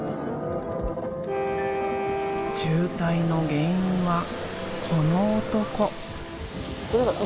渋滞の原因はこの男。